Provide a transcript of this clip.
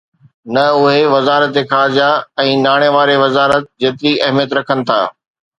ته اهي وزارت خارجه ۽ ناڻي واري وزارت جيتري اهميت رکن ٿا